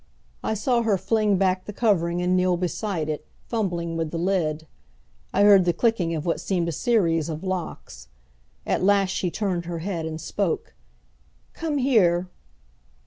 I saw her fling back the covering and kneel beside it, fumbling with the lid. I heard the clicking of what seemed a series of locks. At last she turned her head and spoke, "Come here!"